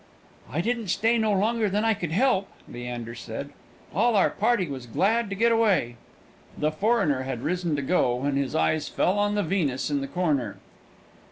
"I didn't stay no longer than I could help," Leander said. "All our party was glad to get away." The foreigner had risen to go, when his eyes fell on the Venus in the corner.